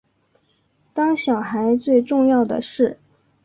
当小孩最重要的事